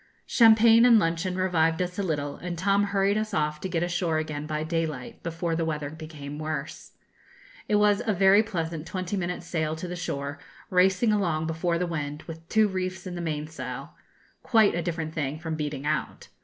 Champagne and luncheon revived us a little, and Tom hurried us off to get ashore again by daylight, before the weather became worse. It was a very pleasant twenty minutes' sail to the shore, racing along before the wind, with two reefs in the mainsail quite a different thing from beating out.